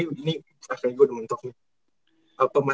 ini akhirnya gue udah mentok nih